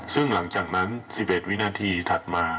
ซึ่งหลังจากนั้น๑๑วินาทีถัดมา